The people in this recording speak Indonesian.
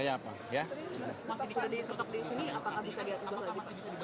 maksudnya sudah diketep di sini apakah bisa diubah lagi pak